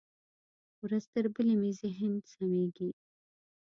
ورځ تر بلې مې ذهن سمېږي.